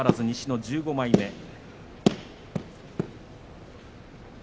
西の１５枚目。